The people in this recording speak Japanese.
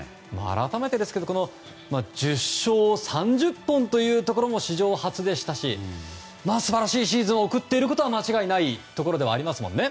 改めですが１０勝３０本というところも史上初でしたし素晴らしいシーズンを送っていることは間違いないところではありますよね。